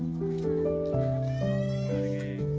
sehingga dia tidak bisa mencoba